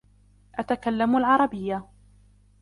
أتكلم العربية.